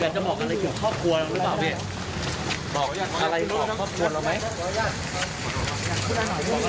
อยากจะขอโทษเขาหน่อย